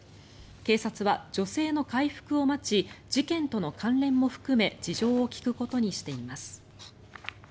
警察は女性の回復を待ち事件との関連も含め事情を聴くことにしています。